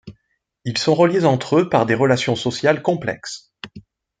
Ils sont reliés entre eux par des relations sociales complexes.